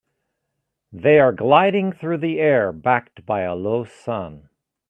They are gliding through the air, backed by a low sun.